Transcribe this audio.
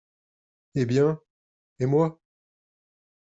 Eh bien, et moi ?